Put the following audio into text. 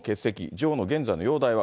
女王の現在の容体は。